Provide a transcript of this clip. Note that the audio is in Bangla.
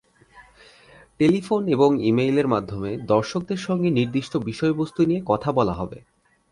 টেলিফোন এবং ই-মেইলের মাধ্যমে দর্শকদের সঙ্গে নির্দিষ্ট বিষয়বস্তু নিয়ে কথা বলা হবে।